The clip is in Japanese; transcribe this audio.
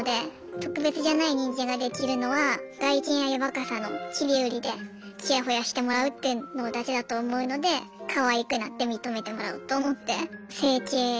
特別じゃない人間ができるのは外見や若さの切り売りでチヤホヤしてもらうっていうのだけだと思うのでかわいくなって認めてもらおうと思って整形しました。